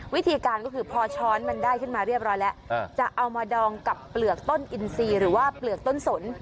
วิธีการก็คือพอช้อนมันได้ขึ้นมาเรียบร้อยแล้วจะเอามาดองกับเปลือกต้นอินซีหรือว่าเปลือกต้นสน